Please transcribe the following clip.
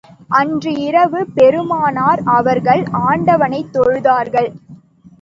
அன்று இரவு பெருமானார் அவர்கள் ஆண்டவனைத் தொழுதார்கள்.